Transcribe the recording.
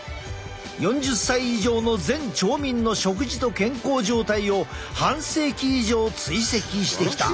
４０歳以上の全町民の食事と健康状態を半世紀以上追跡してきた。